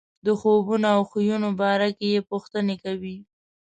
د خوبونو او خویونو باره کې یې پوښتنې کوي.